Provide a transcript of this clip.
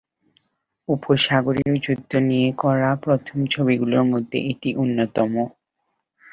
উপসাগরীয় যুদ্ধে নিয়ে করা প্রথম ছবিগুলোর মধ্যে এটি অন্যতম।